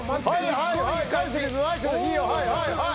はいはいはい！